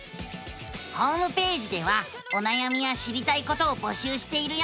ホームページではおなやみや知りたいことを募集しているよ！